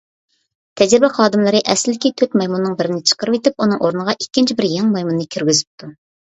تەجرىبە خادىملىرى ئەسلىدىكى تۆت مايمۇننىڭ بىرىنى چىقىرىۋېتىپ، ئۇنىڭ ئورنىغا ئىككىنچى بىر يېڭى مايمۇننى كىرگۈزۈپتۇ.